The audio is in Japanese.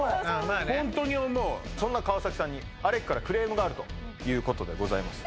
ホントに思うそんな川崎さんにアレクからクレームがあるということでございます